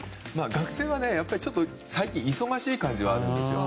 学生は最近忙しい感じはあるんですよ。